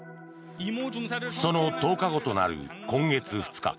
その１０日後となる今月２日